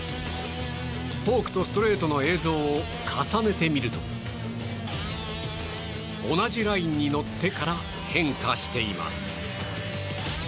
フォークとストレートの映像を重ねてみると同じラインに乗ってから変化しています。